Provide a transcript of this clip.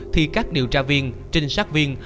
thì các điều tra viên trinh sát viên